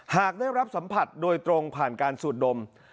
หากได้รับสัมผัสโดยตรงผ่านการสูดดม